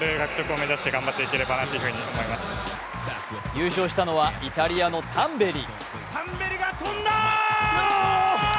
優勝したのはイタリアのタンベリ。